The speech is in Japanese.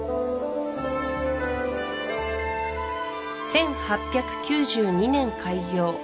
１８９２年開業